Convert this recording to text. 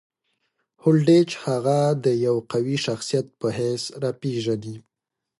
هولډیچ هغه د یوه قوي شخصیت په حیث راپېژني.